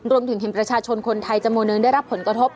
เห็นประชาชนคนไทยจำนวนนึงได้รับผลกระทบ